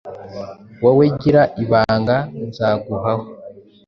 Wowe gira ibanga nzaguhaho